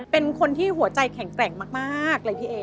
เป็นคนที่หัวใจแข็งแกร่งมากเลยพี่เอ